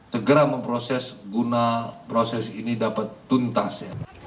segera memproses guna proses ini dapat tuntas